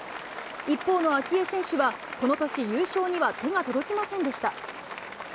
一方の明愛選手は、この年、優勝には手が届きませんでした。